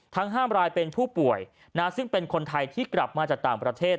ทั้ง๕รายเป็นผู้ป่วยซึ่งเป็นคนไทยที่กลับมาจากต่างประเทศ